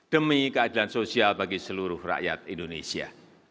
demi keadilan sosial bagi seluruh rakyat indonesia